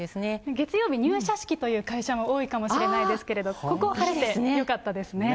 月曜日入社式という会社も多いかもしれないですけれども、ここ、晴れてよかったですね。